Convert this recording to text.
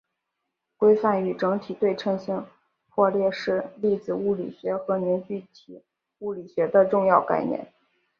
规范和整体对称性破缺是粒子物理学和凝聚体物理学的重要概念。